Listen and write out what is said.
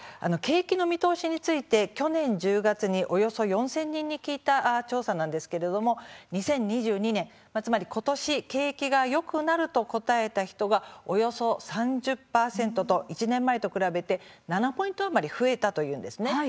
景気の見通しについて去年１０月におよそ４０００人に聞いた調査なんですが２０２２年景気がよくなると答えた人がおよそ３０％と１年前と比べて７ポイント余り増えたというんです。